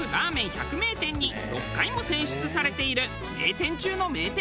百名店に６回も選出されている名店中の名店なのです。